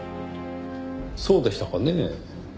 そうでしたかねぇ？